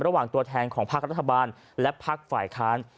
ระหว่างตัวแทนของภาครัฐบาลและภาคฝ่ายค้าน